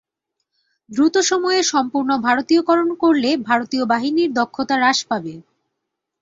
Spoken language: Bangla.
দ্রুত সময়ে সম্পূর্ণ ভারতীয়করণ করলে ভারতীয় বাহিনীর দক্ষতা হ্রাস পাবে।